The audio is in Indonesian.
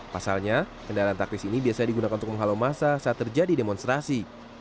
pasalnya kendaraan taktis ini biasanya digunakan untuk menghalau masa saat terjadi demonstrasi